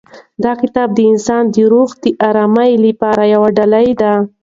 دا کتاب د انسان د روح د ارامۍ لپاره یوه ډالۍ ده.